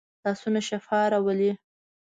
لاسونه شفا راولي